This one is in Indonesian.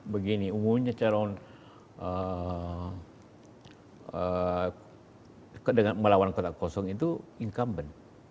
begini umumnya calon dengan melawan kotak kosong itu incumbent